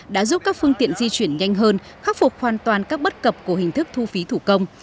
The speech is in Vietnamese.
đã giúp các phương tiện di chuyển nhanh hơn khắc phục hoàn toàn các bất cập của hình thức thu phí thủ công